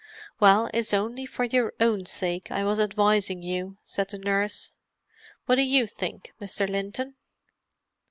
"Well, it's only for your own sake I was advising you," said the nurse. "What do you think, Mr. Linton?"